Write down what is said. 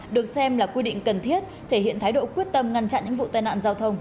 được xem là quy định cần thiết thể hiện thái độ quyết tâm ngăn chặn những vụ tai nạn giao thông